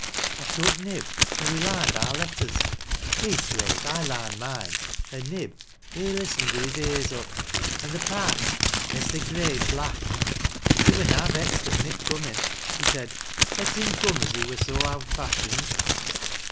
I took Nib an' we lamed oui letters ; leastways I larned mine, an' Nib he listened wi' his ears up, an' th' Par — Mester Grace laffed. He wui iia vext at Nib comin'. He said ' let him coom, as he wuj 90 owd fashioned.